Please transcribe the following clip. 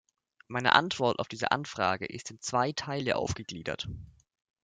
Meine Antwort auf diese Anfrage ist in zwei Teile aufgegliedert.